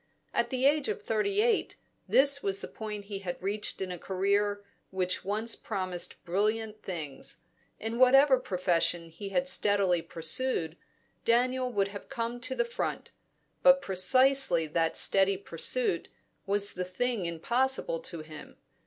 At the age of thirty eight this was the point he had reached in a career which once promised brilliant things. In whatever profession he had steadily pursued, Daniel would have come to the front; but precisely that steady pursuit was the thing impossible to him.